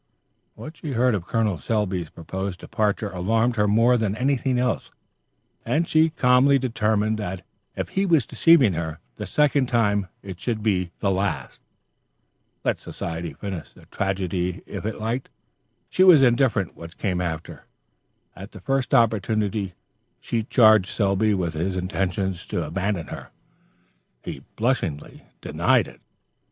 What she heard of Col. Selby's proposed departure alarmed her more than anything else, and she calmly determined that if he was deceiving her the second time it should be the last. Let society finish the tragedy if it liked; she was indifferent what came after. At the first opportunity, she charged Selby with his intention to abandon her. He unblushingly denied it.